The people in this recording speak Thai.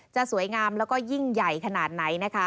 จะสวยงามแล้วก็ยิ่งใหญ่ขนาดไหนนะคะ